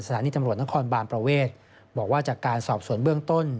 สถานีตำรวจนครบานประเวทบอกว่าจากการสอบสวนเบื้องต้น